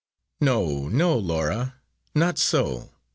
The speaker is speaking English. "No, no, Laura not so!